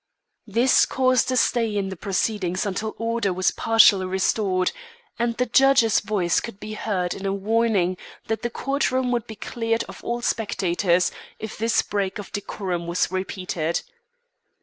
This caused a stay in the proceedings until order was partially restored, and the judge's voice could be heard in a warning that the court room would be cleared of all spectators if this break of decorum was repeated.